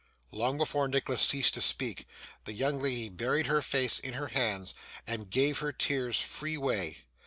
Long before Nicholas ceased to speak, the young lady buried her face in her hands, and gave her tears free way.